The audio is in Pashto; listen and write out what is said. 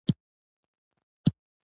تاسو څه شئ کوی